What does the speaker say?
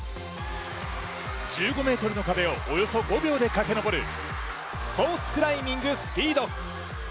１５ｍの壁をおよそ５秒でかけ登るスポーツクライミングスピード。